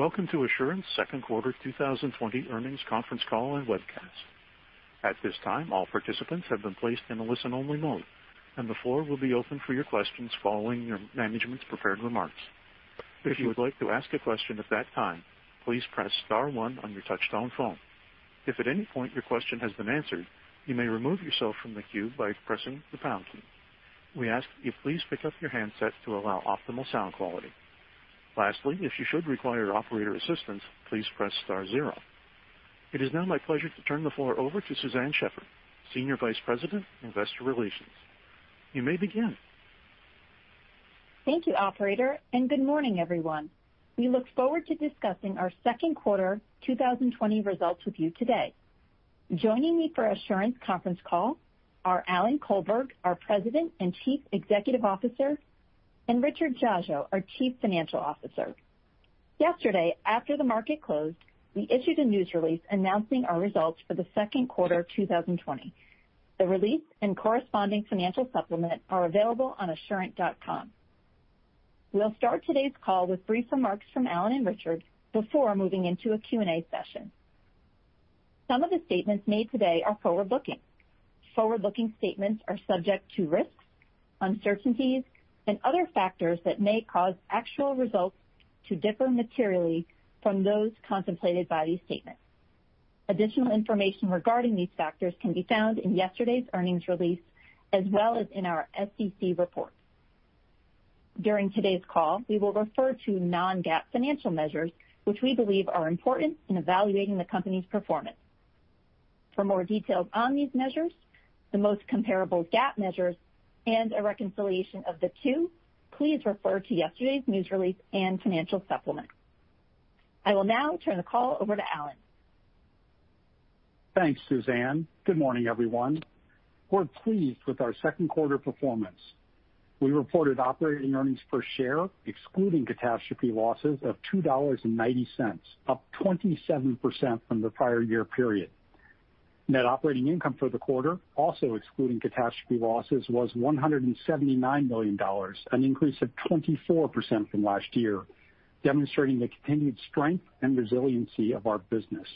Welcome to Assurant's second quarter 2020 earnings conference call and webcast. At this time, all participants have been placed in a listen-only mode, and the floor will be open for your questions following our management's prepared remarks. If you would like to ask a question at that time, please press star one on your touchtone phone. If at any point your question has been answered, you may remove yourself from the queue by pressing the pound key. We ask that you please pick up your handset to allow optimal sound quality. Lastly, if you should require operator assistance, please press star zero. It is now my pleasure to turn the floor over to Suzanne Shepherd, Senior Vice President, Investor Relations. You may begin. Thank you, operator. Good morning, everyone. We look forward to discussing our second quarter 2020 results with you today. Joining me for Assurant conference call are Alan Colberg, our President and Chief Executive Officer, and Richard Dziadzio, our Chief Financial Officer. Yesterday, after the market closed, we issued a news release announcing our results for the second quarter of 2020. The release and corresponding financial supplement are available on assurant.com. We'll start today's call with brief remarks from Alan and Richard before moving into a Q&A session. Some of the statements made today are forward-looking. Forward-looking statements are subject to risks, uncertainties, and other factors that may cause actual results to differ materially from those contemplated by these statements. Additional information regarding these factors can be found in yesterday's earnings release, as well as in our SEC report. During today's call, we will refer to non-GAAP financial measures which we believe are important in evaluating the company's performance. For more details on these measures, the most comparable GAAP measures, and a reconciliation of the two, please refer to yesterday's news release and financial supplement. I will now turn the call over to Alan. Thanks, Suzanne. Good morning, everyone. We're pleased with our second quarter performance. We reported operating earnings per share, excluding catastrophe losses, of $2.90, up 27% from the prior year period. Net operating income for the quarter, also excluding catastrophe losses, was $179 million, an increase of 24% from last year, demonstrating the continued strength and resiliency of our business.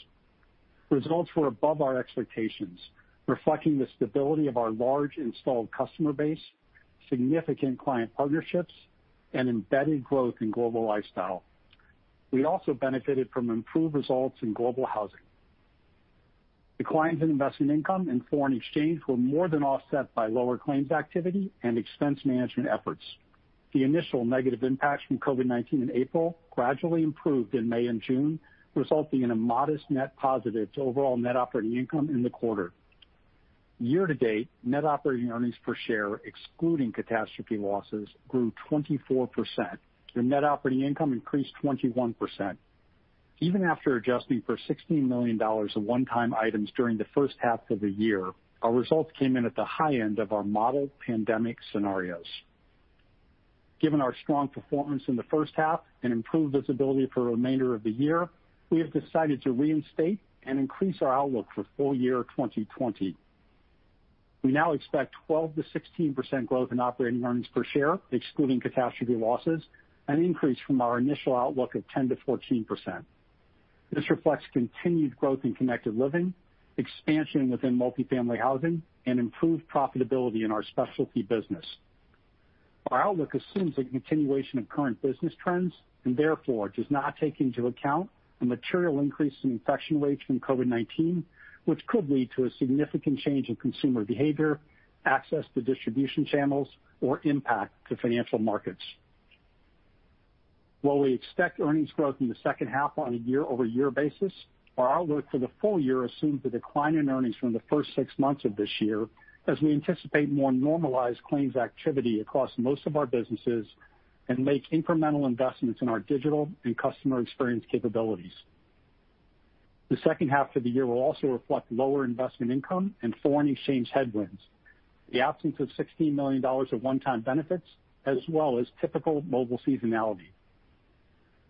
Results were above our expectations, reflecting the stability of our large installed customer base, significant client partnerships, and embedded growth in Global Lifestyle. We also benefited from improved results in Global Housing. Declines in investment income and foreign exchange were more than offset by lower claims activity and expense management efforts. The initial negative impacts from COVID-19 in April gradually improved in May and June, resulting in a modest net positive to overall net operating income in the quarter. Year to date, net operating earnings per share, excluding catastrophe losses, grew 24%, and net operating income increased 21%. Even after adjusting for $16 million of one-time items during the first half of the year, our results came in at the high end of our model pandemic scenarios. Given our strong performance in the first half and improved visibility for the remainder of the year, we have decided to reinstate and increase our outlook for full year 2020. We now expect 12% to 16% growth in operating earnings per share, excluding catastrophe losses, an increase from our initial outlook of 10% to 14%. This reflects continued growth in Connected Living, expansion within Multifamily Housing, and improved profitability in our specialty business. Our outlook assumes a continuation of current business trends and therefore does not take into account a material increase in infection rates from COVID-19, which could lead to a significant change in consumer behavior, access to distribution channels, or impact to financial markets. While we expect earnings growth in the second half on a year-over-year basis, our outlook for the full year assumes a decline in earnings from the first six months of this year, as we anticipate more normalized claims activity across most of our businesses and make incremental investments in our digital and customer experience capabilities. The second half of the year will also reflect lower investment income and foreign exchange headwinds, the absence of $16 million of one-time benefits, as well as typical mobile seasonality.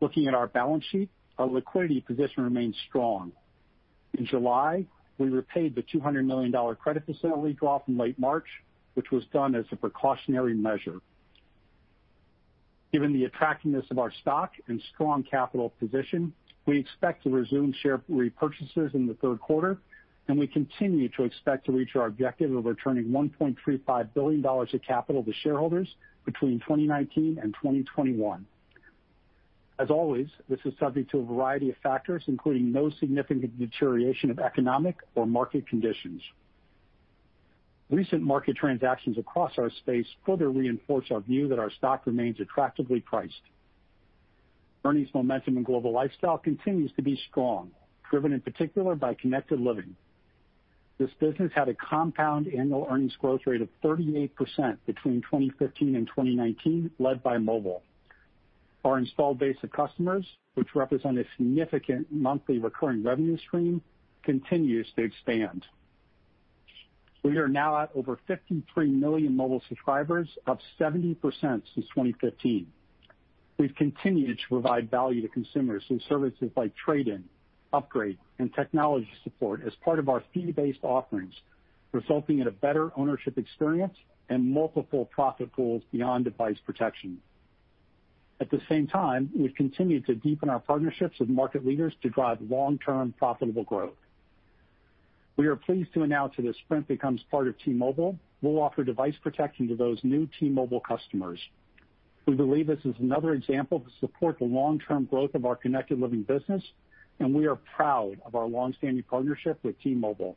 Looking at our balance sheet, our liquidity position remains strong. In July, we repaid the $200 million credit facility draw from late March, which was done as a precautionary measure. Given the attractiveness of our stock and strong capital position, we expect to resume share repurchases in the third quarter, and we continue to expect to reach our objective of returning $1.35 billion of capital to shareholders between 2019 and 2021. As always, this is subject to a variety of factors, including no significant deterioration of economic or market conditions. Recent market transactions across our space further reinforce our view that our stock remains attractively priced. Earnings momentum in Global Lifestyle continues to be strong, driven in particular by Connected Living. This business had a compound annual earnings growth rate of 38% between 2015 and 2019, led by mobile. Our installed base of customers, which represent a significant monthly recurring revenue stream, continues to expand. We are now at over 53 million mobile subscribers, up 70% since 2015. We've continued to provide value to consumers through services like trade-in, upgrade and technology support as part of our fee-based offerings, resulting in a better ownership experience and multiple profit pools beyond device protection. At the same time, we've continued to deepen our partnerships with market leaders to drive long-term profitable growth. We are pleased to announce that as Sprint becomes part of T-Mobile, we'll offer device protection to those new T-Mobile customers. We believe this is another example to support the long-term growth of our Connected Living business, and we are proud of our long-standing partnership with T-Mobile.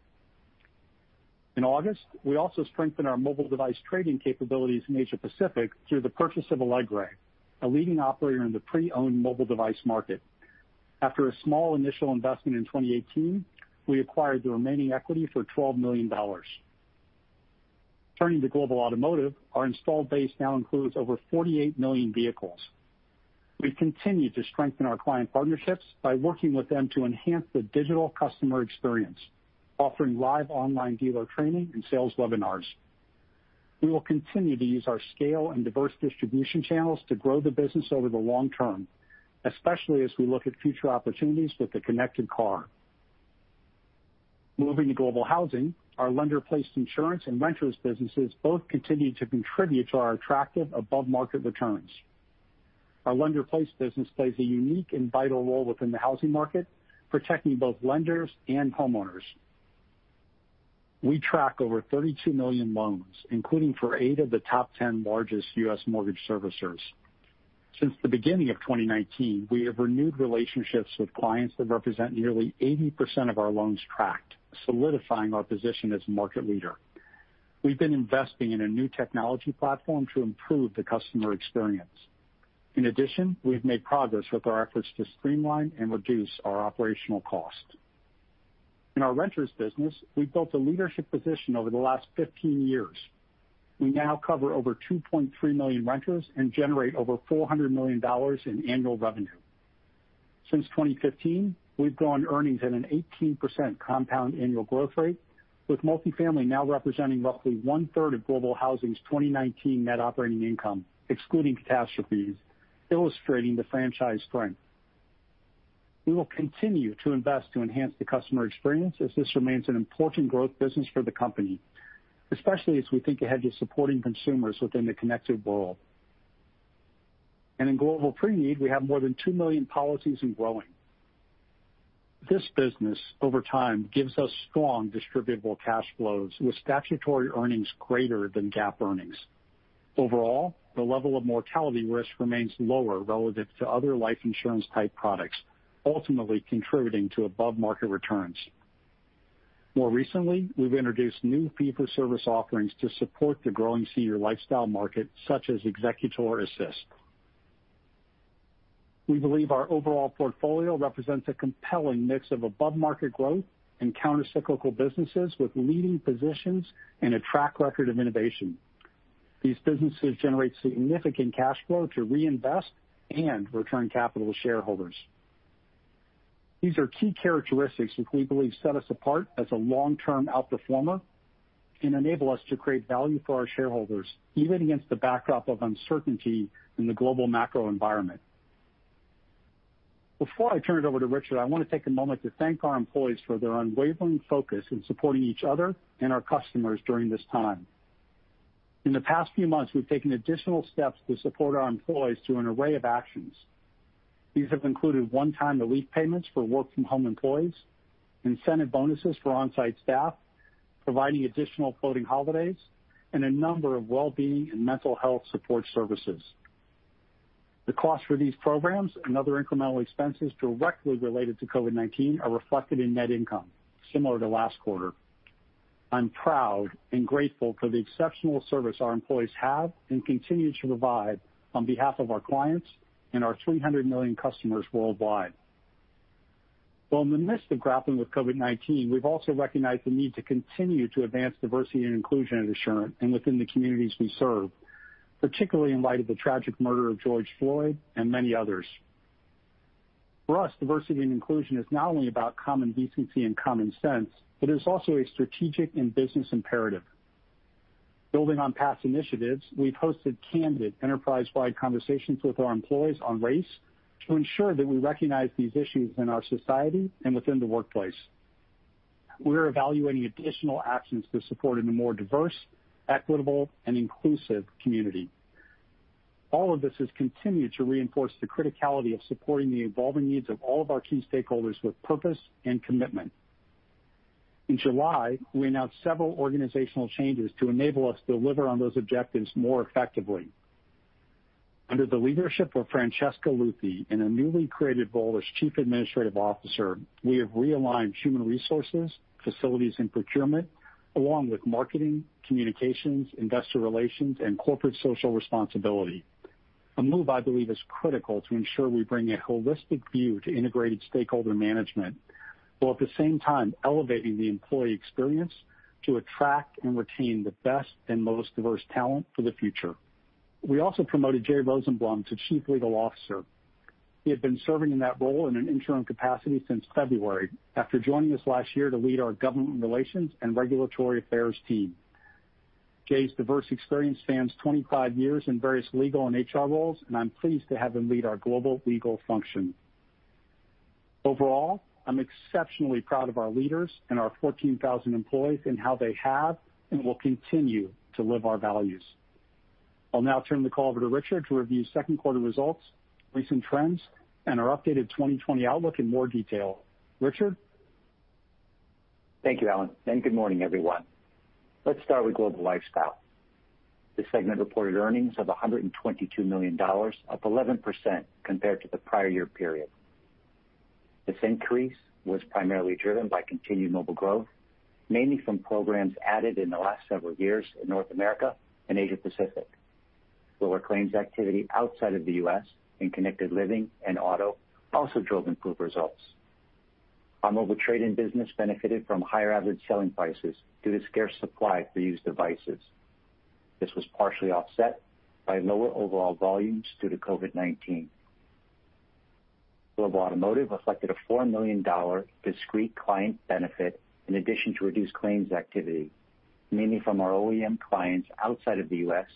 In August, we also strengthened our mobile device trade-in capabilities in Asia Pacific through the purchase of Alegre, a leading operator in the pre-owned mobile device market. After a small initial investment in 2018, we acquired the remaining equity for $12 million. Turning to Global Automotive, our installed base now includes over 48 million vehicles. We've continued to strengthen our client partnerships by working with them to enhance the digital customer experience, offering live online dealer training and sales webinars. We will continue to use our scale and diverse distribution channels to grow the business over the long term, especially as we look at future opportunities with the connected car. Moving to Global Housing, our Lender-Placed Insurance and renters businesses both continue to contribute to our attractive above-market returns. Our Lender-Placed business plays a unique and vital role within the housing market, protecting both lenders and homeowners. We track over 32 million loans, including for eight of the top 10 largest U.S. mortgage servicers. Since the beginning of 2019, we have renewed relationships with clients that represent nearly 80% of our loans tracked, solidifying our position as market leader. We've been investing in a new technology platform to improve the customer experience. In addition, we've made progress with our efforts to streamline and reduce our operational costs. In our renter's business, we've built a leadership position over the last 15 years. We now cover over 2.3 million renters and generate over $400 million in annual revenue. Since 2015, we've grown earnings at an 18% compound annual growth rate, with Multifamily now representing roughly one-third of Global Housing's 2019 net operating income, excluding catastrophes, illustrating the franchise strength. We will continue to invest to enhance the customer experience as this remains an important growth business for the company, especially as we think ahead to supporting consumers within the Connected World. In Global Preneed, we have more than two million policies and growing. This business, over time, gives us strong distributable cash flows with statutory earnings greater than GAAP earnings. Overall, the level of mortality risk remains lower relative to other life insurance-type products, ultimately contributing to above-market returns. More recently, we've introduced new fee-for-service offerings to support the growing senior lifestyle market, such as Executor Assist. We believe our overall portfolio represents a compelling mix of above-market growth and counter-cyclical businesses with leading positions and a track record of innovation. These businesses generate significant cash flow to reinvest and return capital to shareholders. These are key characteristics which we believe set us apart as a long-term outperformer and enable us to create value for our shareholders even against the backdrop of uncertainty in the global macro environment. Before I turn it over to Richard, I want to take a moment to thank our employees for their unwavering focus in supporting each other and our customers during this time. In the past few months, we've taken additional steps to support our employees through an array of actions. These have included one-time relief payments for work-from-home employees, incentive bonuses for on-site staff, providing additional floating holidays, and a number of well-being and mental health support services. The cost for these programs and other incremental expenses directly related to COVID-19 are reflected in net income, similar to last quarter. I'm proud and grateful for the exceptional service our employees have and continue to provide on behalf of our clients and our 300 million customers worldwide. While in the midst of grappling with COVID-19, we've also recognized the need to continue to advance diversity and inclusion at Assurant and within the communities we serve, particularly in light of the tragic murder of George Floyd and many others. For us, diversity and inclusion is not only about common decency and common sense, but it is also a strategic and business imperative. Building on past initiatives, we've hosted candid enterprise-wide conversations with our employees on race to ensure that we recognize these issues in our society and within the workplace. We are evaluating additional actions to support a more diverse, equitable, and inclusive community. All of this has continued to reinforce the criticality of supporting the evolving needs of all of our key stakeholders with purpose and commitment. In July, we announced several organizational changes to enable us to deliver on those objectives more effectively. Under the leadership of Francesca Luthi in a newly created role as Chief Administrative Officer, we have realigned human resources, facilities and procurement, along with marketing, communications, investor relations, and corporate social responsibility, a move I believe is critical to ensure we bring a holistic view to integrated stakeholder management, while at the same time elevating the employee experience to attract and retain the best and most diverse talent for the future. We also promoted Jay Rosenblum to Chief Legal Officer. He had been serving in that role in an interim capacity since February after joining us last year to lead our government relations and regulatory affairs team. Jay's diverse experience spans 25 years in various legal and HR roles, and I'm pleased to have him lead our global legal function. Overall, I'm exceptionally proud of our leaders and our 14,000 employees in how they have, and will continue to live our values. I'll now turn the call over to Richard to review second quarter results, recent trends, and our updated 2020 outlook in more detail. Richard? Thank you, Alan, and good morning, everyone. Let's start with Global Lifestyle. This segment reported earnings of $122 million, up 11% compared to the prior year period. This increase was primarily driven by continued mobile growth, mainly from programs added in the last several years in North America and Asia Pacific. Lower claims activity outside of the U.S. in Connected Living and auto also drove improved results. Our mobile trade-in business benefited from higher average selling prices due to scarce supply for used devices. This was partially offset by lower overall volumes due to COVID-19. Global Automotive reflected a $4 million discrete client benefit in addition to reduced claims activity, mainly from our OEM clients outside of the U.S.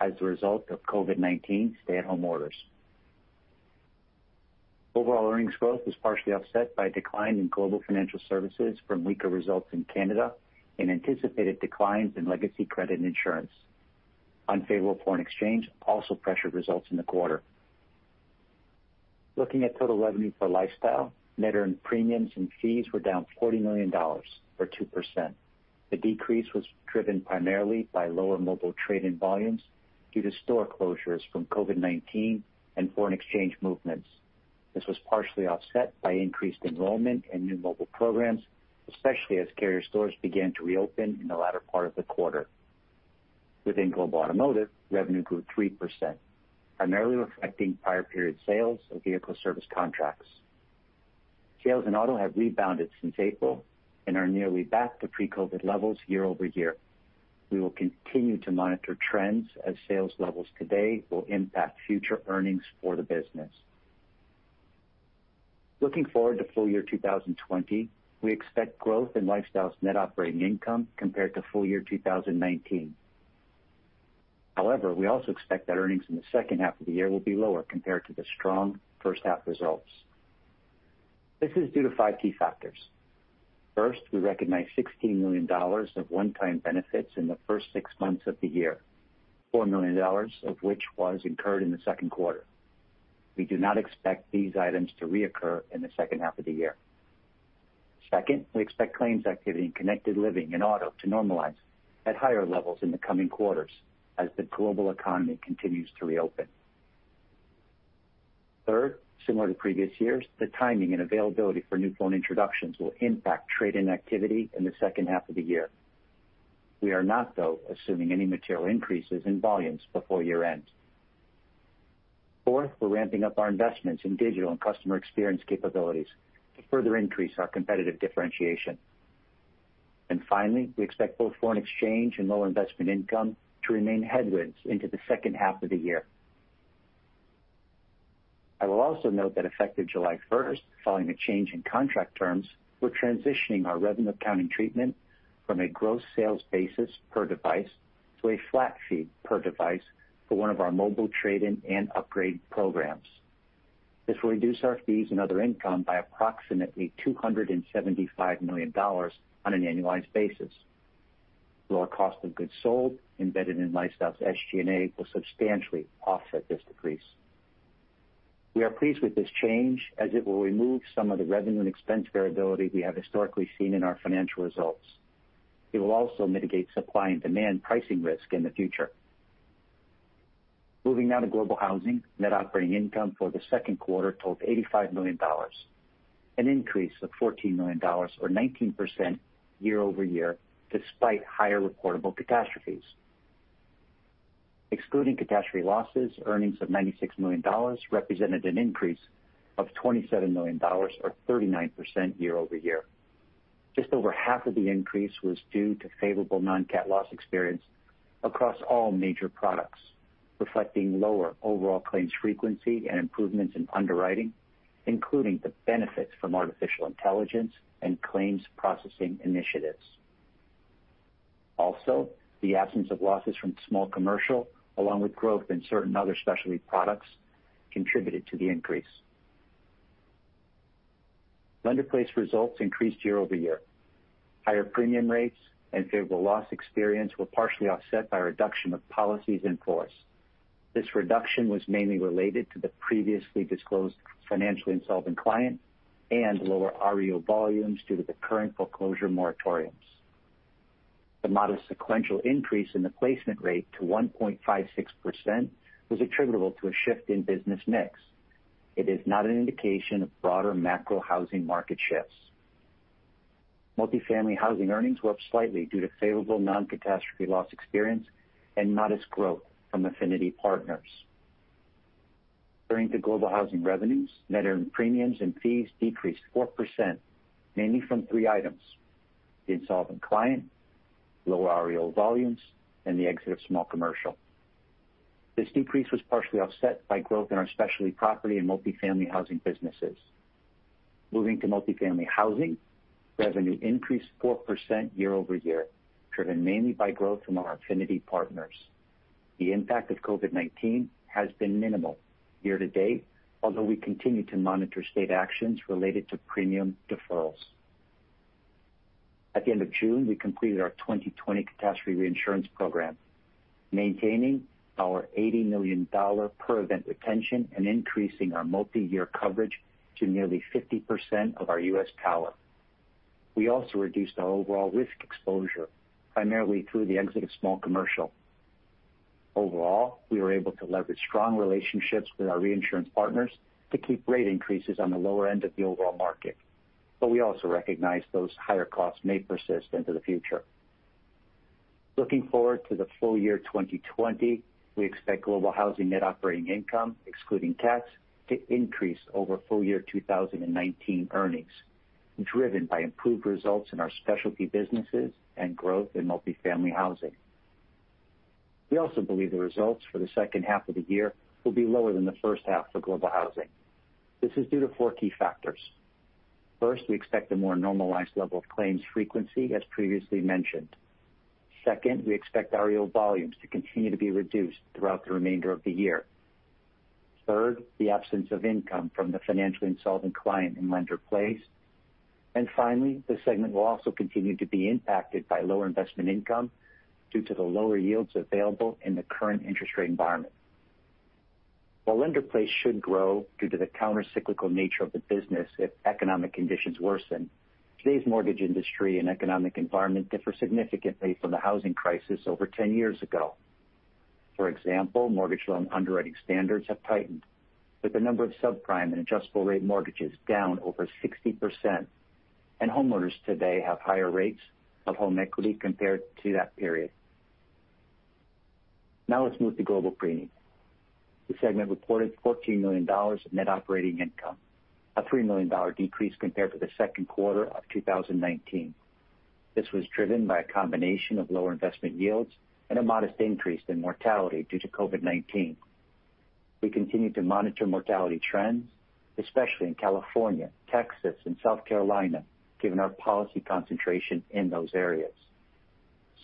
as a result of COVID-19 stay-at-home orders. Overall earnings growth was partially offset by a decline in Global Financial Services from weaker results in Canada and anticipated declines in legacy credit insurance. Unfavorable foreign exchange also pressured results in the quarter. Looking at total revenue for Lifestyle, net earned premiums and fees were down $40 million or 2%. The decrease was driven primarily by lower mobile trade-in volumes due to store closures from COVID-19 and foreign exchange movements. This was partially offset by increased enrollment and new mobile programs, especially as carrier stores began to reopen in the latter part of the quarter. Within Global Automotive, revenue grew 3%, primarily reflecting prior period sales of vehicle service contracts. Sales in auto have rebounded since April and are nearly back to pre-COVID levels year-over-year. We will continue to monitor trends as sales levels today will impact future earnings for the business. Looking forward to full year 2020, we expect growth in Lifestyle's net operating income compared to full year 2019. However, we also expect that earnings in the second half of the year will be lower compared to the strong first half results. This is due to five key factors. First, we recognize $16 million of one-time benefits in the first six months of the year, $4 million of which was incurred in the second quarter. We do not expect these items to reoccur in the second half of the year. Second, we expect claims activity in Connected Living and Auto to normalize at higher levels in the coming quarters as the global economy continues to reopen. Third, similar to previous years, the timing and availability for new phone introductions will impact trade-in activity in the second half of the year. We are not, though, assuming any material increases in volumes before year end. Fourth, we're ramping up our investments in digital and customer experience capabilities to further increase our competitive differentiation. Finally, we expect both foreign exchange and lower investment income to remain headwinds into the second half of the year. I will also note that effective July 1, following a change in contract terms, we're transitioning our revenue accounting treatment from a gross sales basis per device to a flat fee per device for one of our mobile trade-in and upgrade programs. This will reduce our fees and other income by approximately $275 million on an annualized basis. Lower cost of goods sold embedded in Lifestyle's SG&A will substantially offset this decrease. We are pleased with this change, as it will remove some of the revenue and expense variability we have historically seen in our financial results. It will also mitigate supply and demand pricing risk in the future. Moving now to Global Housing, net operating income for the second quarter totaled $85 million, an increase of $14 million or 19% year-over-year, despite higher reportable catastrophes. Excluding catastrophe losses, earnings of $96 million represented an increase of $27 million or 39% year-over-year. Just over half of the increase was due to favorable non-cat loss experience across all major products, reflecting lower overall claims frequency and improvements in underwriting, including the benefits from artificial intelligence and claims processing initiatives. Also, the absence of losses from small commercial, along with growth in certain other specialty products, contributed to the increase. Lender-Placed results increased year-over-year. Higher premium rates and favorable loss experience were partially offset by a reduction of policies in force. This reduction was mainly related to the previously disclosed financially insolvent client and lower REO volumes due to the current foreclosure moratoriums. The modest sequential increase in the placement rate to 1.56% was attributable to a shift in business mix. It is not an indication of broader macro housing market shifts. Multifamily Housing earnings were up slightly due to favorable non-catastrophe loss experience and modest growth from affinity partners. Turning to Global Housing revenues, net earned premiums and fees decreased 4%, mainly from three items: the insolvent client, lower REO volumes, and the exit of small commercial. This decrease was partially offset by growth in our specialty property and Multifamily Housing businesses. Moving to Multifamily Housing, revenue increased 4% year-over-year, driven mainly by growth from our affinity partners. The impact of COVID-19 has been minimal year-to-date, although we continue to monitor state actions related to premium deferrals. At the end of June, we completed our 2020 catastrophe reinsurance program, maintaining our $80 million per event retention and increasing our multi-year coverage to nearly 50% of our U.S. tower. We also reduced our overall risk exposure, primarily through the exit of small commercial. Overall, we were able to leverage strong relationships with our reinsurance partners to keep rate increases on the lower end of the overall market, but we also recognize those higher costs may persist into the future. Looking forward to the full year 2020, we expect Global Housing net operating income, excluding tax, to increase over full year 2019 earnings, driven by improved results in our specialty businesses and growth in Multifamily Housing. We also believe the results for the second half of the year will be lower than the first half for Global Housing. This is due to four key factors. First, we expect a more normalized level of claims frequency, as previously mentioned. Second, we expect REO volumes to continue to be reduced throughout the remainder of the year. Third, the absence of income from the financially insolvent client in Lender-Placed. Finally, this segment will also continue to be impacted by lower investment income due to the lower yields available in the current interest rate environment. While Lender-Placed should grow due to the counter-cyclical nature of the business if economic conditions worsen, today's mortgage industry and economic environment differ significantly from the housing crisis over 10 years ago. For example, mortgage loan underwriting standards have tightened, with the number of subprime and adjustable rate mortgages down over 60%, and homeowners today have higher rates of home equity compared to that period. Now let's move to Global Preneed. This segment reported $14 million in net operating income, a $3 million decrease compared to the second quarter of 2019. This was driven by a combination of lower investment yields and a modest increase in mortality due to COVID-19. We continue to monitor mortality trends, especially in California, Texas, and South Carolina, given our policy concentration in those areas.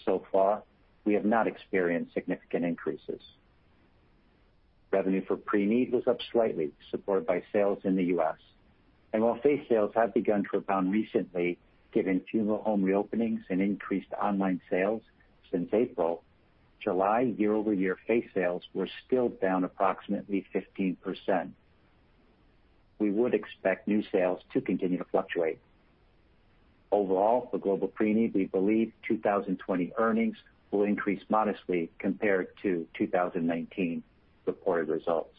So far, we have not experienced significant increases. Revenue for preneed was up slightly, supported by sales in the U.S. While face sales have begun to rebound recently, given funeral home reopenings and increased online sales since April, July year-over-year face sales were still down approximately 15%. We would expect new sales to continue to fluctuate. Overall, for Global Preneed, we believe 2020 earnings will increase modestly compared to 2019 reported results.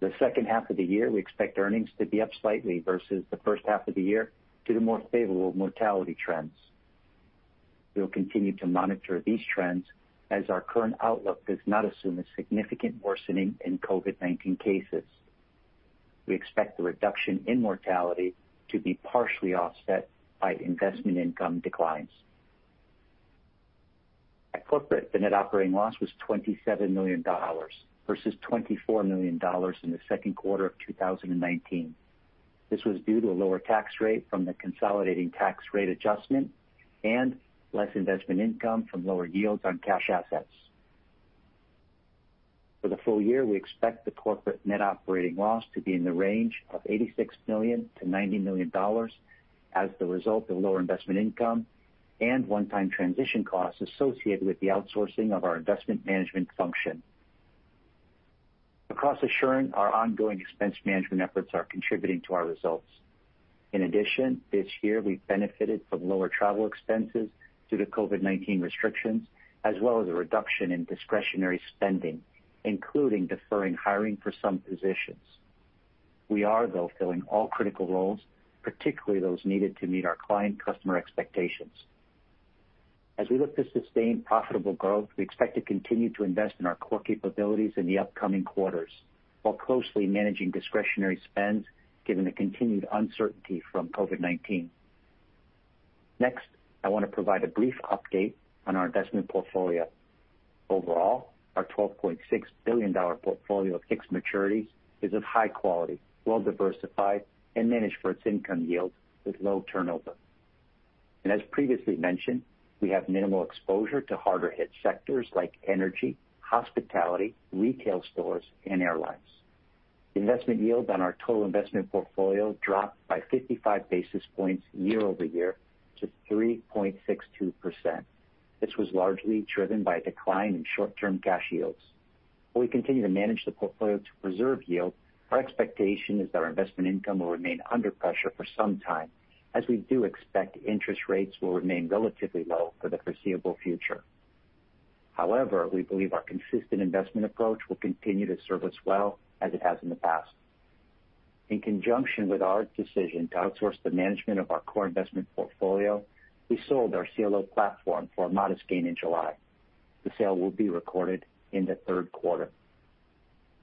The second half of the year, we expect earnings to be up slightly versus the first half of the year due to more favorable mortality trends. We will continue to monitor these trends, as our current outlook does not assume a significant worsening in COVID-19 cases. We expect the reduction in mortality to be partially offset by investment income declines. At Corporate, the net operating loss was $27 million versus $24 million in the second quarter of 2019. This was due to a lower tax rate from the consolidating tax rate adjustment and less investment income from lower yields on cash assets. For the full year, we expect the corporate net operating loss to be in the range of $86 million to $90 million as the result of lower investment income and one-time transition costs associated with the outsourcing of our investment management function. Across Assurant, our ongoing expense management efforts are contributing to our results. In addition, this year we've benefited from lower travel expenses due to COVID-19 restrictions, as well as a reduction in discretionary spending, including deferring hiring for some positions. We are, though, filling all critical roles, particularly those needed to meet our client customer expectations. As we look to sustain profitable growth, we expect to continue to invest in our core capabilities in the upcoming quarters while closely managing discretionary spend given the continued uncertainty from COVID-19. Next, I want to provide a brief update on our investment portfolio. Overall, our $12.6 billion portfolio of fixed maturities is of high quality, well-diversified, and managed for its income yield with low turnover. As previously mentioned, we have minimal exposure to harder hit sectors like energy, hospitality, retail stores, and airlines. Investment yield on our total investment portfolio dropped by 55 basis points year-over-year to 3.62%. This was largely driven by a decline in short-term cash yields. While we continue to manage the portfolio to preserve yield, our expectation is that our investment income will remain under pressure for some time, as we do expect interest rates will remain relatively low for the foreseeable future. However, we believe our consistent investment approach will continue to serve us well, as it has in the past. In conjunction with our decision to outsource the management of our core investment portfolio, we sold our CLO platform for a modest gain in July. The sale will be recorded in the third quarter.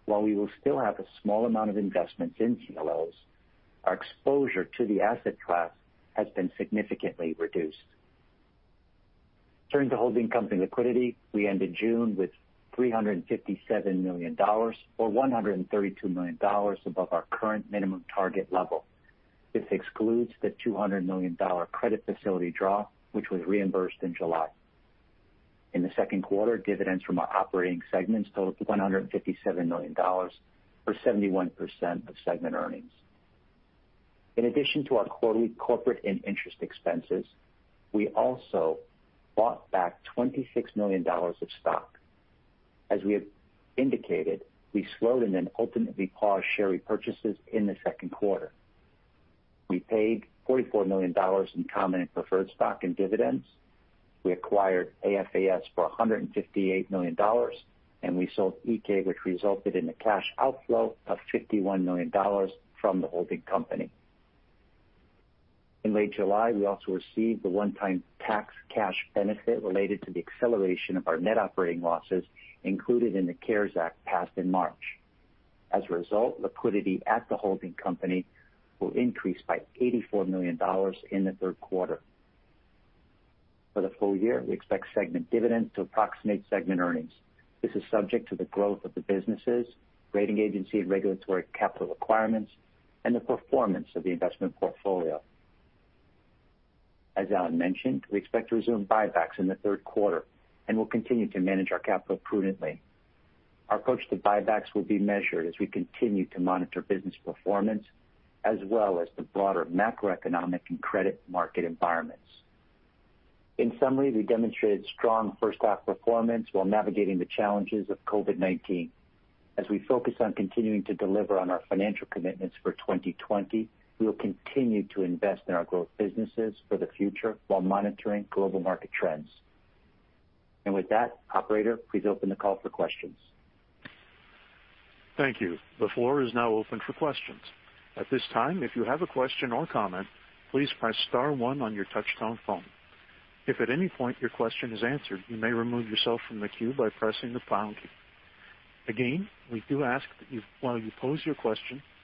While we will still have a small amount of investments in CLOs, our exposure to the asset class has been significantly reduced. Turning to holding company liquidity, we ended June with $357 million, or $132 million above our current minimum target level. This excludes the $200 million credit facility draw, which was reimbursed in July. In the second quarter, dividends from our operating segments totaled $157 million, or 71% of segment earnings. In addition to our quarterly corporate and interest expenses, we also bought back $26 million of stock. As we have indicated, we slowed and then ultimately paused share repurchases in the second quarter. We paid $44 million in common and preferred stock and dividends. We acquired AFAS for $158 million, and we sold Iké, which resulted in a cash outflow of $51 million from the holding company. In late July, we also received the one-time tax cash benefit related to the acceleration of our net operating losses included in the CARES Act passed in March. As a result, liquidity at the holding company will increase by $84 million in the third quarter. For the full year, we expect segment dividend to approximate segment earnings. This is subject to the growth of the businesses, rating agency and regulatory capital requirements, and the performance of the investment portfolio. As Alan mentioned, we expect to resume buybacks in the third quarter and will continue to manage our capital prudently. Our approach to buybacks will be measured as we continue to monitor business performance, as well as the broader macroeconomic and credit market environments. In summary, we demonstrated strong first half performance while navigating the challenges of COVID-19. As we focus on continuing to deliver on our financial commitments for 2020, we will continue to invest in our growth businesses for the future while monitoring global market trends. With that, operator, please open the call for questions. Thank you. The floor is now open for questions.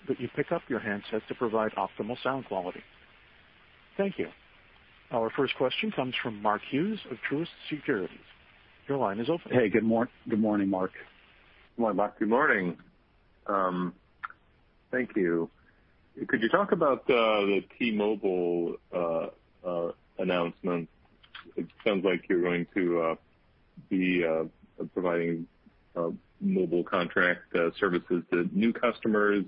Thank you. Our first question comes from Mark Hughes of Truist Securities. Your line is open. Hey, good morning, Mark. Good morning. Thank you. Could you talk about the T-Mobile announcement? It sounds like you're going to be providing mobile contract services to new customers.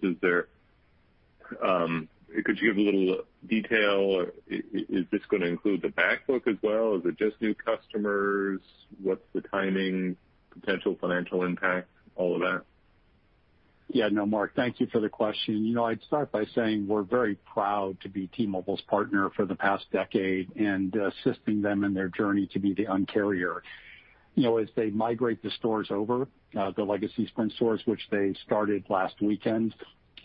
Could you give a little detail? Is this going to include the back book as well? Is it just new customers? What's the timing, potential financial impact, all of that? Mark, thank you for the question. I'd start by saying we're very proud to be T-Mobile's partner for the past decade and assisting them in their journey to be the Un-carrier. As they migrate the stores over, the legacy Sprint stores, which they started last weekend,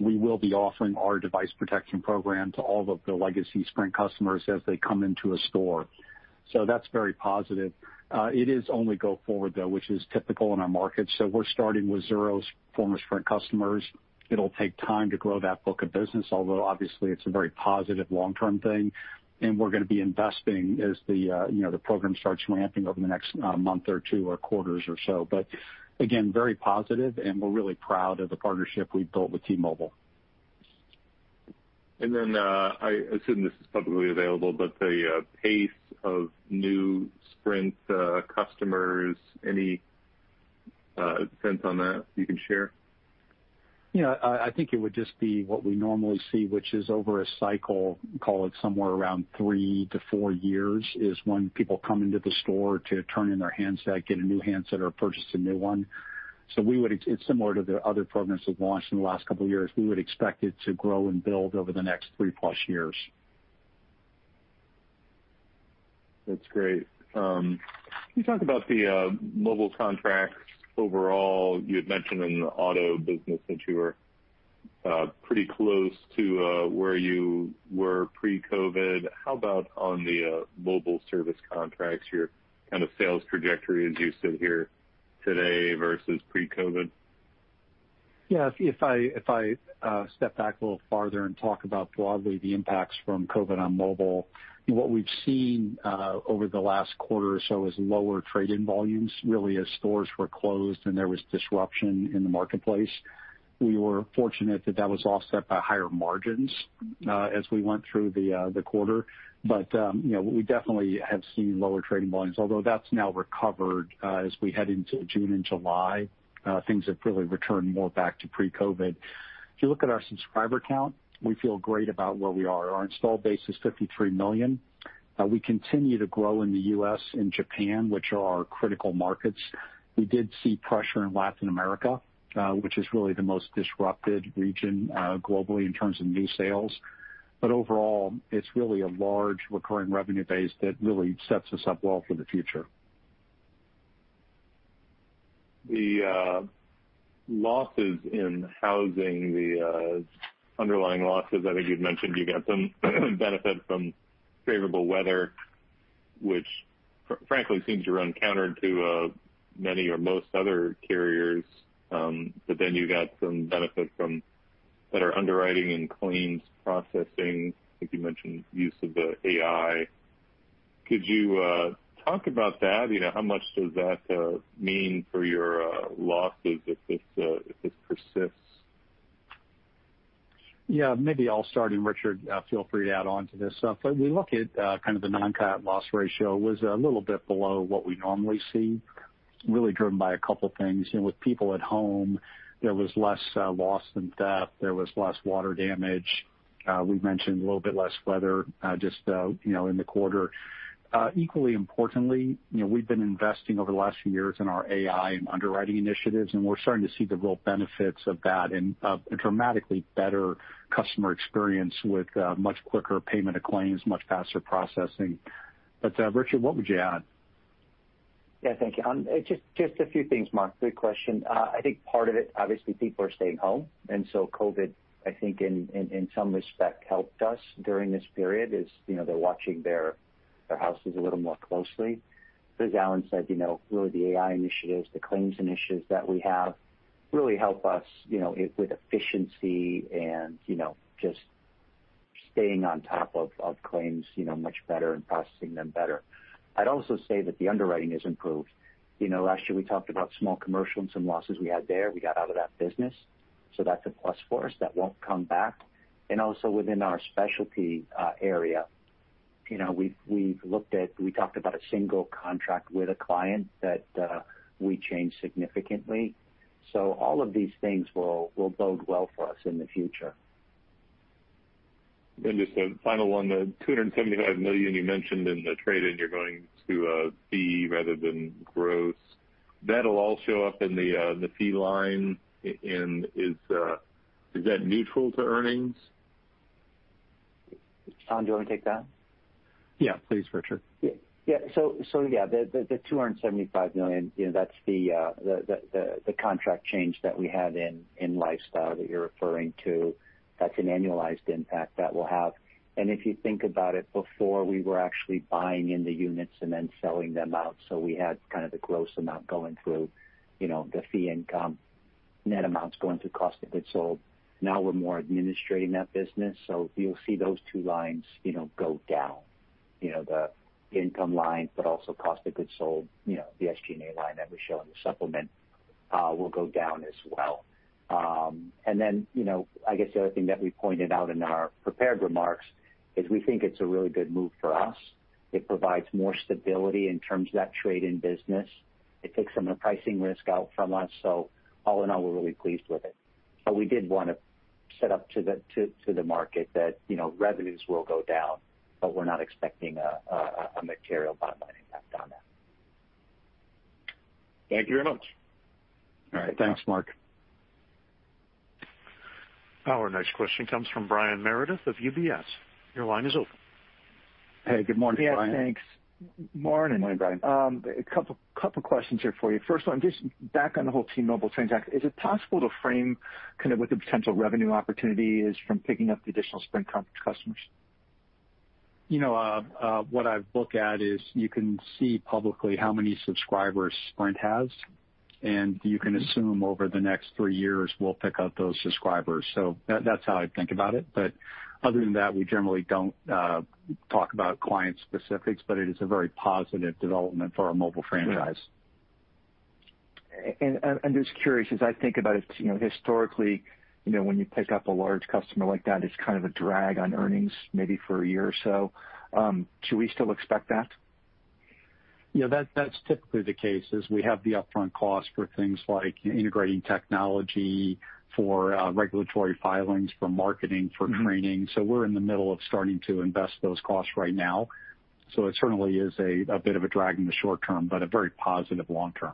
we will be offering our device protection program to all of the legacy Sprint customers as they come into a store. That's very positive. It is only go forward, though, which is typical in our market. We're starting with zero former Sprint customers. It'll take time to grow that book of business, although obviously it's a very positive long-term thing, and we're going to be investing as the program starts ramping over the next month or two or quarters or so. Again, very positive, and we're really proud of the partnership we've built with T-Mobile. I assume this is publicly available, but the pace of new Sprint customers, any sense on that you can share? I think it would just be what we normally see, which is over a cycle, call it somewhere around three to four years, is when people come into the store to turn in their handset, get a new handset or purchase a new one. It's similar to the other programs we've launched in the last couple of years. We would expect it to grow and build over the next three-plus years. That's great. Can you talk about the mobile contracts overall? You had mentioned in the auto business that you are pretty close to where you were pre-COVID. How about on the mobile service contracts, your kind of sales trajectory as you sit here today versus pre-COVID? Yeah. If I step back a little farther and talk about broadly the impacts from COVID-19 on mobile, what we've seen over the last quarter or so is lower trade-in volumes, really, as stores were closed and there was disruption in the marketplace. We were fortunate that that was offset by higher margins as we went through the quarter. We definitely have seen lower trade-in volumes, although that's now recovered as we head into June and July. Things have really returned more back to pre-COVID-19. If you look at our subscriber count, we feel great about where we are. Our install base is 53 million. We continue to grow in the U.S. and Japan, which are our critical markets. We did see pressure in Latin America, which is really the most disrupted region globally in terms of new sales. overall, it's really a large recurring revenue base that really sets us up well for the future. The losses in Housing, the underlying losses, I think you'd mentioned you got some benefit from favorable weather. Which, frankly, seems to run counter to many or most other carriers. You got some benefit from better underwriting and claims processing. I think you mentioned use of the AI. Could you talk about that? How much does that mean for your losses if this persists? Yeah, maybe I will start, and Richard, feel free to add onto this. If we look at kind of the non-cat loss ratio was a little bit below what we normally see, really driven by a couple things. With people at home, there was less loss than theft, there was less water damage. We mentioned a little bit less weather just in the quarter. Equally importantly, we've been investing over the last few years in our AI and underwriting initiatives, and we're starting to see the real benefits of that and a dramatically better customer experience with much quicker payment of claims, much faster processing. Richard, what would you add? Yeah, thank you. Just a few things, Mark. Good question. I think part of it, obviously, people are staying home, COVID, I think, in some respect, helped us during this period as they're watching their houses a little more closely. As Alan said, really the AI initiatives, the claims initiatives that we have really help us with efficiency and just staying on top of claims much better and processing them better. I'd also say that the underwriting has improved. Last year, we talked about small commercial and losses we had there. We got out of that business. That's a plus for us. That won't come back. Within our specialty area, we talked about a single contract with a client that we changed significantly. All of these things will bode well for us in the future. Just a final one, the $275 million you mentioned in the trade-in you're going to fee rather than gross, that'll all show up in the fee line. Is that neutral to earnings? Alan, do you want me to take that? Yeah, please, Richard. The $275 million, that's the contract change that we had in Lifestyle that you're referring to. That's an annualized impact that we'll have. If you think about it, before, we were actually buying in the units and then selling them out, so we had kind of the gross amount going through the fee income, net amounts going through cost of goods sold. Now we're more administrating that business, you'll see those two lines go down. The income line, also cost of goods sold, the SG&A line that we show in the supplement will go down as well. I guess the other thing that we pointed out in our prepared remarks is we think it's a really good move for us. It provides more stability in terms of that trade-in business. It takes some of the pricing risk out from us. All in all, we're really pleased with it. We did want to set up to the market that revenues will go down, but we're not expecting a material bottom-line impact on that. Thank you very much. All right. Thanks, Mark. Our next question comes from Brian Meredith of UBS. Your line is open. Hey, good morning. Yes, thanks. Morning. Morning, Brian. A couple of questions here for you. First one, just back on the whole T-Mobile transaction, is it possible to frame kind of what the potential revenue opportunity is from picking up the additional Sprint customers? What I look at is you can see publicly how many subscribers Sprint has, and you can assume over the next three years we'll pick up those subscribers. That's how I think about it. Other than that, we generally don't talk about client specifics, but it is a very positive development for our mobile franchise. Just curious, as I think about it, historically, when you pick up a large customer like that, it's kind of a drag on earnings, maybe for a year or so. Should we still expect that? Yeah, that's typically the case is we have the upfront cost for things like integrating technology, for regulatory filings, for marketing, for training. We're in the middle of starting to invest those costs right now. It certainly is a bit of a drag in the short term, but a very positive long term.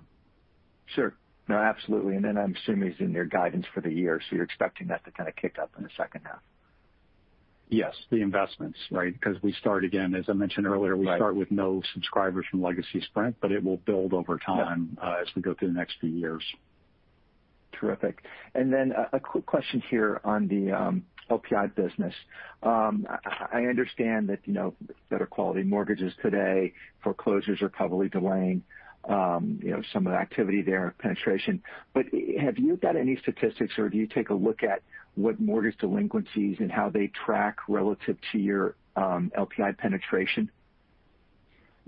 Sure. No, absolutely. I'm assuming it's in your guidance for the year, so you're expecting that to kind of kick up in the second half. Yes, the investments, right? We start again, as I mentioned earlier. Right We start with no subscribers from legacy Sprint, but it will build over time. Yeah as we go through the next few years. Terrific. A quick question here on the LPI business. I understand that better quality mortgages today, foreclosures are probably delaying some of the activity there, penetration. Have you got any statistics or do you take a look at what mortgage delinquencies and how they track relative to your LPI penetration?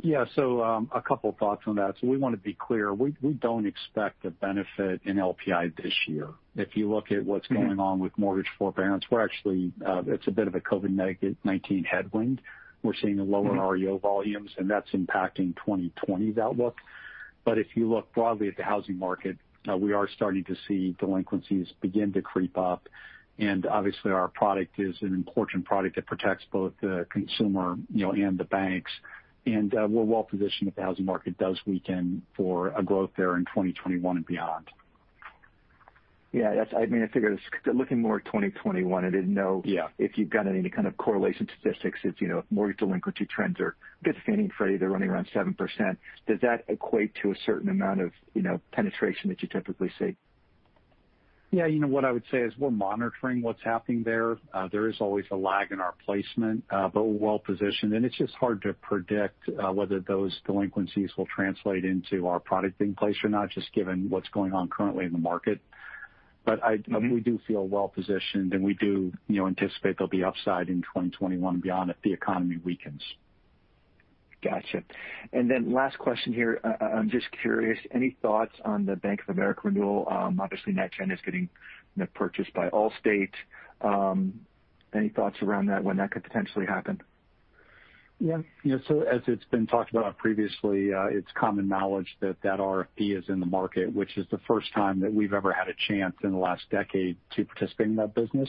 A couple of thoughts on that. We want to be clear, we don't expect a benefit in LPI this year. If you look at what's going on with mortgage forbearance, it's a bit of a COVID-19 headwind. We're seeing lower REO volumes, and that's impacting 2020's outlook. If you look broadly at the housing market, we are starting to see delinquencies begin to creep up, and obviously our product is an important product that protects both the consumer and the banks. We're well-positioned if the housing market does weaken for a growth there in 2021 and beyond. Yeah. I figured it is looking more at 2021. I didn't know. Yeah if you've got any kind of correlation statistics if mortgage delinquency trends are good. Fannie Mae and Freddie Mac, they're running around 7%. Does that equate to a certain amount of penetration that you typically see? Yeah, what I would say is we're monitoring what's happening there. There is always a lag in our placement. We're well-positioned, and it's just hard to predict whether those delinquencies will translate into our product being placed or not, just given what's going on currently in the market. We do feel well-positioned, and we do anticipate there'll be upside in 2021 and beyond if the economy weakens. Got you. Last question here. I'm just curious, any thoughts on the Bank of America renewal? Obviously, NatGen is getting purchased by Allstate. Any thoughts around that, when that could potentially happen? Yeah. As it's been talked about previously, it's common knowledge that that RFP is in the market, which is the first time that we've ever had a chance in the last decade to participate in that business.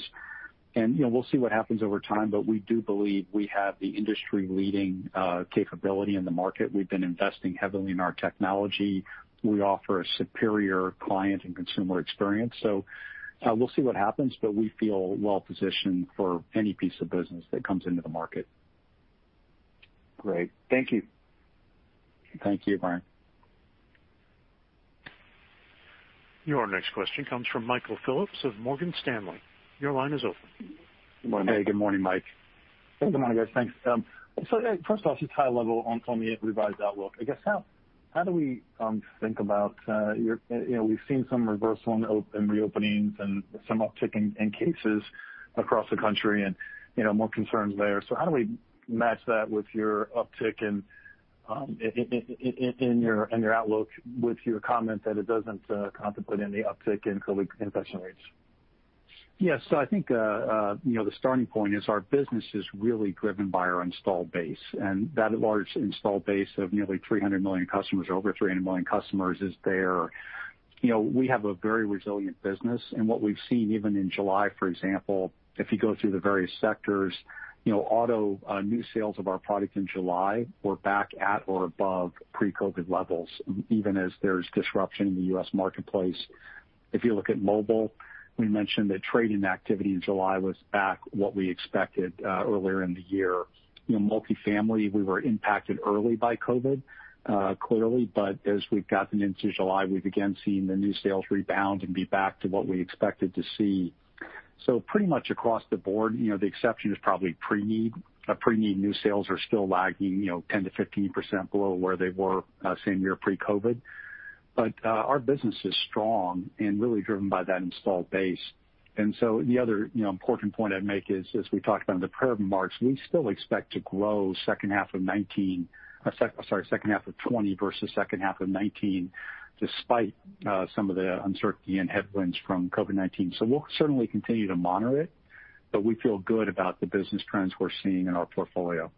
We'll see what happens over time, but we do believe we have the industry-leading capability in the market. We've been investing heavily in our technology. We offer a superior client and consumer experience. We'll see what happens, but we feel well-positioned for any piece of business that comes into the market. Great. Thank you. Thank you, Brian. Your next question comes from Michael Phillips of Morgan Stanley. Hey, good morning, Mike. Good morning, guys. Thanks. First off, just high level on the revised outlook. I guess, how do we think about, we've seen some reversal in reopenings and some uptick in cases across the country and more concerns there. How do we match that with your uptick in your outlook with your comment that it doesn't contemplate any uptick in COVID infection rates? I think the starting point is our business is really driven by our installed base, and that large installed base of nearly 300 million customers, or over 300 million customers is there. We have a very resilient business, and what we've seen even in July, for example, if you go through the various sectors, auto new sales of our product in July were back at or above pre-COVID levels, even as there's disruption in the U.S. marketplace. If you look at mobile, we mentioned that trade-in activity in July was back what we expected earlier in the year. Multifamily, we were impacted early by COVID, clearly, but as we've gotten into July, we've again seen the new sales rebound and be back to what we expected to see. Pretty much across the board, the exception is probably Preneed. Preneed new sales are still lagging 10% to 15% below where they were same year pre-COVID-19. Our business is strong and really driven by that installed base. The other important point I'd make is, as we talked about in the prior remarks, we still expect to grow second half of 2020 versus second half of 2019, despite some of the uncertainty and headwinds from COVID-19. We'll certainly continue to monitor it, but we feel good about the business trends we're seeing in our portfolio.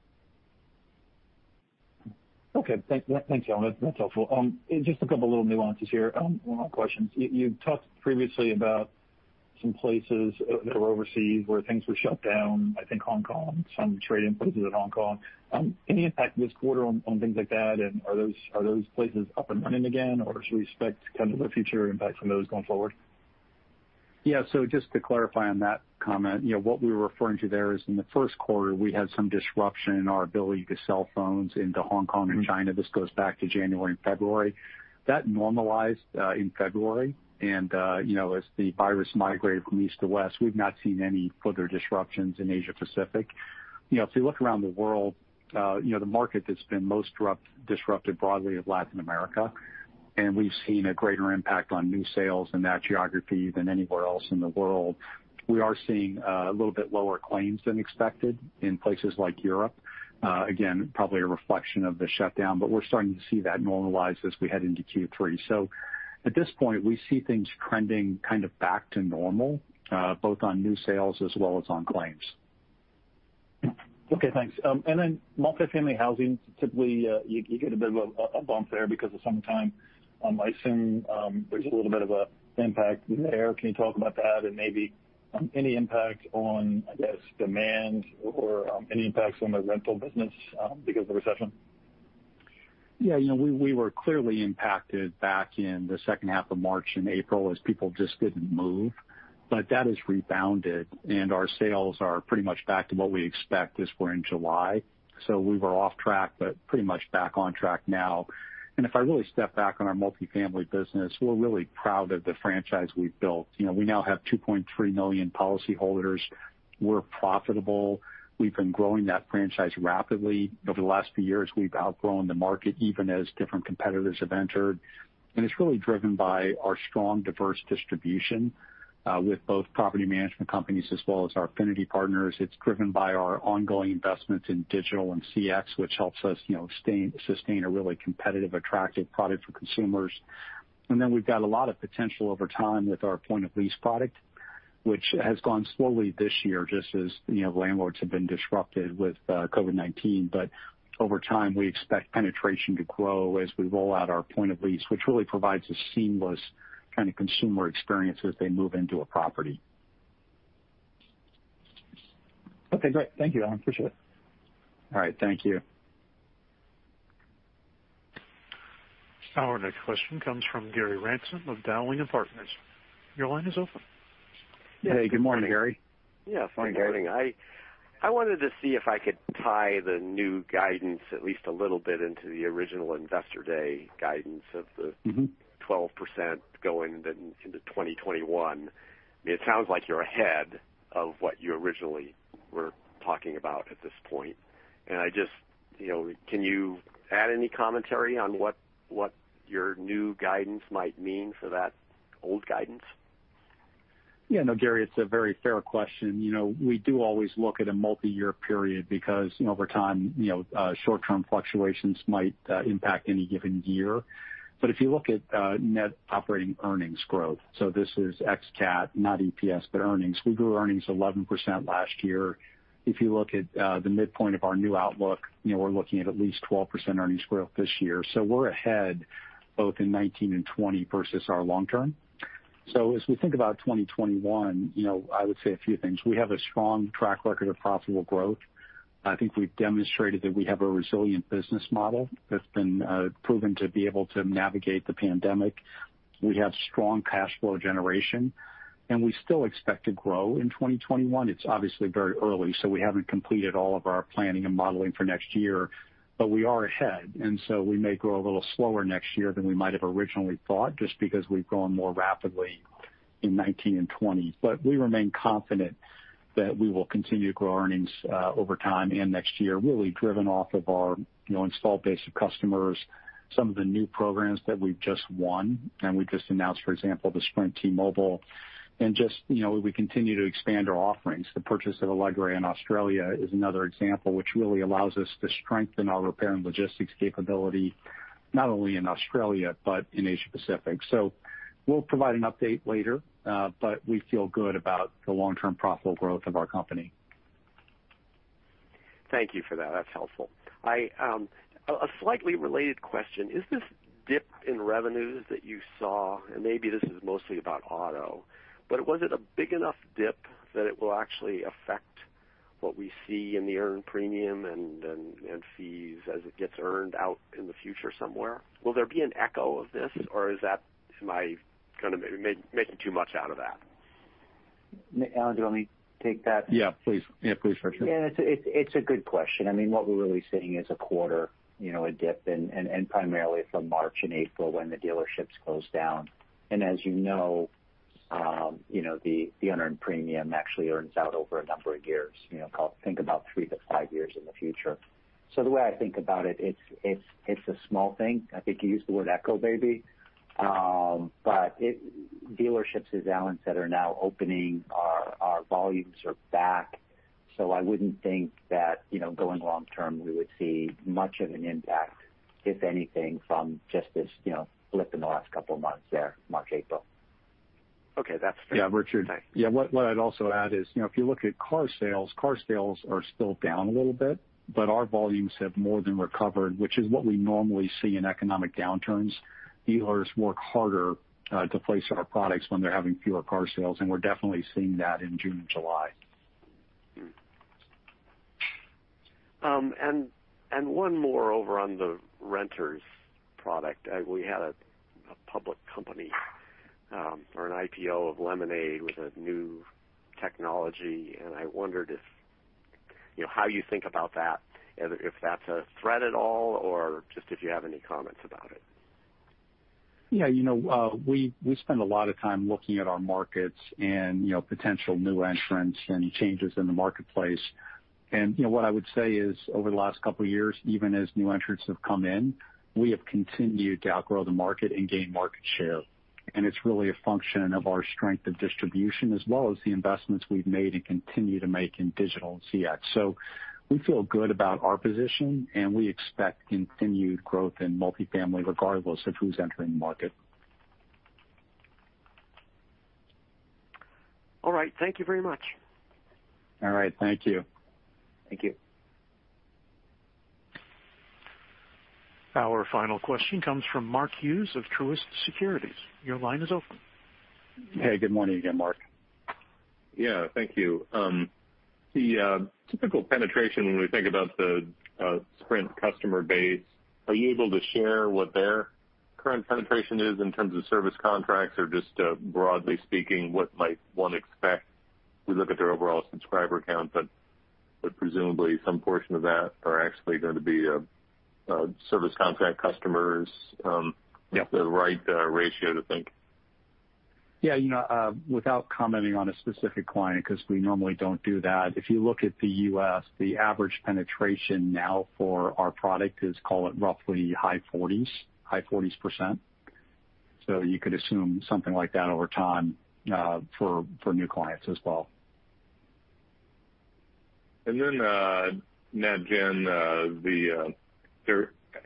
Okay. Thank you, Alan. That's helpful. Just a couple of little nuances here. One-off questions. You talked previously about some places that were overseas where things were shut down, I think Hong Kong, some trade-in places in Hong Kong. Any impact this quarter on things like that? Are those places up and running again? Or should we expect kind of the future impact from those going forward? Yeah. Just to clarify on that comment, what we were referring to there is in the first quarter, we had some disruption in our ability to sell phones into Hong Kong and China. This goes back to January and February. That normalized in February. As the virus migrated from east to west, we've not seen any further disruptions in Asia Pacific. If you look around the world, the market that's been most disrupted broadly is Latin America, and we've seen a greater impact on new sales in that geography than anywhere else in the world. We are seeing a little bit lower claims than expected in places like Europe. Again, probably a reflection of the shutdown, but we're starting to see that normalize as we head into Q3. At this point, we see things trending kind of back to normal, both on new sales as well as on claims. Okay, thanks. Multifamily Housing, typically, you get a bit of a bump there because of some time. I assume there's a little bit of an impact there. Can you talk about that and maybe any impact on, I guess, demand or any impacts on the rental business because of the recession? Yeah. We were clearly impacted back in the second half of March and April as people just didn't move. That has rebounded, and our sales are pretty much back to what we expect as we're in July. We were off track, but pretty much back on track now. If I really step back on our Multifamily Housing business, we're really proud of the franchise we've built. We now have 2.3 million policyholders. We're profitable. We've been growing that franchise rapidly. Over the last few years, we've outgrown the market even as different competitors have entered. It's really driven by our strong, diverse distribution, with both property management companies as well as our affinity partners. It's driven by our ongoing investments in digital and CX, which helps us sustain a really competitive, attractive product for consumers. We've got a lot of potential over time with our Point-of-Lease product, which has gone slowly this year, just as landlords have been disrupted with COVID-19. Over time, we expect penetration to grow as we roll out our Point-of-Lease, which really provides a seamless kind of consumer experience as they move into a property. Okay, great. Thank you, Alan. Appreciate it. All right, thank you. Our next question comes from Gary Ransom of Dowling & Partners. Your line is open. Hey, good morning, Gary. Yeah. Good morning. I wanted to see if I could tie the new guidance at least a little bit into the original investor day guidance. 12% going into 2021. I mean, it sounds like you're ahead of what you originally were talking about at this point. Can you add any commentary on what your new guidance might mean for that old guidance? Yeah, no, Gary, it's a very fair question. We do always look at a multi-year period because over time, short-term fluctuations might impact any given year. If you look at net operating earnings growth, so this is ex cat, not EPS, but earnings. We grew earnings 11% last year. If you look at the midpoint of our new outlook, we're looking at at least 12% earnings growth this year. We're ahead both in 2019 and 2020 versus our long term. As we think about 2021, I would say a few things. We have a strong track record of profitable growth. I think we've demonstrated that we have a resilient business model that's been proven to be able to navigate the pandemic. We have strong cash flow generation, and we still expect to grow in 2021. It's obviously very early, so we haven't completed all of our planning and modeling for next year, but we are ahead, and so we may grow a little slower next year than we might have originally thought, just because we've grown more rapidly in 2019 and 2020. We remain confident that we will continue to grow earnings over time and next year, really driven off of our installed base of customers, some of the new programs that we've just won, and we just announced, for example, the Sprint T-Mobile, and just we continue to expand our offerings. The purchase of Alegre in Australia is another example, which really allows us to strengthen our repair and logistics capability, not only in Australia but in Asia Pacific. We'll provide an update later, but we feel good about the long-term profitable growth of our company. Thank you for that. That's helpful. A slightly related question, is this dip in revenues that you saw, and maybe this is mostly about auto, but was it a big enough dip that it will actually affect what we see in the earned premium and fees as it gets earned out in the future somewhere? Will there be an echo of this, or am I making too much out of that? Alan, do you want me to take that? Yeah, please. Yeah, please, Richard. Yeah, it's a good question. I mean, what we're really seeing is a quarter dip primarily from March and April when the dealerships closed down. As you know, the unearned premium actually earns out over a number of years. Think about three to five years in the future. The way I think about it's a small thing. I think you used the word echo, maybe. Dealerships, as Alan said, are now opening. Our volumes are back. I wouldn't think that going long term, we would see much of an impact, if anything, from just this blip in the last couple of months there, March, April. Okay. That's fair. Yeah, Richard. Thanks. Yeah. What I'd also add is, if you look at car sales, car sales are still down a little bit, but our volumes have more than recovered, which is what we normally see in economic downturns. Dealers work harder to place our products when they're having fewer car sales, and we're definitely seeing that in June and July. One more over on the renters product. We had a public company, or an IPO of Lemonade with a new technology, and I wondered how you think about that, if that's a threat at all, or just if you have any comments about it. Yeah. We spend a lot of time looking at our markets and potential new entrants, any changes in the marketplace. What I would say is, over the last couple of years, even as new entrants have come in, we have continued to outgrow the market and gain market share. It's really a function of our strength of distribution as well as the investments we've made and continue to make in digital and CX. We feel good about our position, and we expect continued growth in Multifamily regardless of who's entering the market. All right. Thank you very much. All right. Thank you. Thank you. Our final question comes from Mark Hughes of Truist Securities. Your line is open. Hey, good morning again, Mark. Yeah, thank you. The typical penetration when we think about the Sprint customer base, are you able to share what their current penetration is in terms of service contracts? Or just broadly speaking, what might one expect? We look at their overall subscriber count, but presumably, some portion of that are actually going to be service contract customers. Yep. The right ratio to think. Yeah. Without commenting on a specific client, because we normally don't do that. If you look at the U.S., the average penetration now for our product is, call it roughly high 40s%. You could assume something like that over time for new clients as well. NatGen, their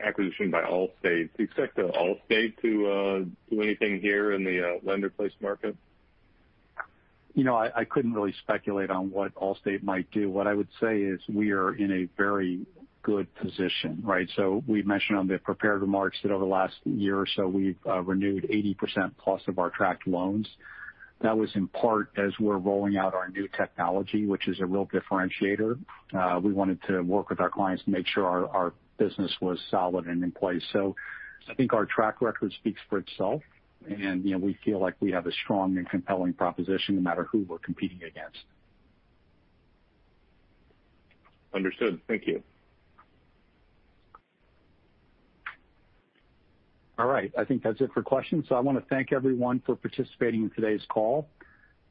acquisition by Allstate, do you expect Allstate to do anything here in the lender-placed market? I couldn't really speculate on what Allstate might do. What I would say is we are in a very good position, right? We've mentioned on the prepared remarks that over the last year or so, we've renewed 80% plus of our tracked loans. That was in part as we're rolling out our new technology, which is a real differentiator. We wanted to work with our clients to make sure our business was solid and in place. I think our track record speaks for itself, and we feel like we have a strong and compelling proposition no matter who we're competing against. Understood. Thank you. All right. I think that's it for questions. I want to thank everyone for participating in today's call.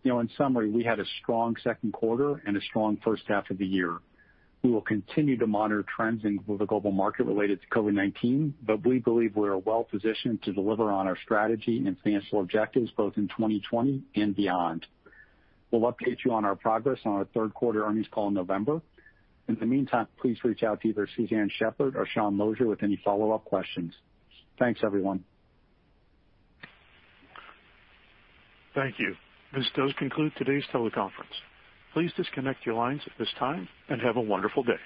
In summary, we had a strong second quarter and a strong first half of the year. We will continue to monitor trends in the global market related to COVID-19, but we believe we are well-positioned to deliver on our strategy and financial objectives both in 2020 and beyond. We'll update you on our progress on our third quarter earnings call in November. In the meantime, please reach out to either Suzanne Shepherd or Sean Moshier with any follow-up questions. Thanks, everyone. Thank you. This does conclude today's teleconference. Please disconnect your lines at this time, and have a wonderful day.